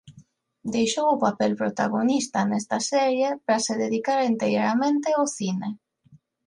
Deixou o papel protagonista nesta serie para se dedicar enteiramente ao cine.